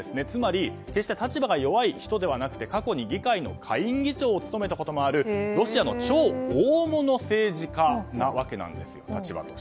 つまり決して立場が弱い人ではなくて過去に議会の下院議長も務めたこともあるロシアの超大物政治家なわけなんです。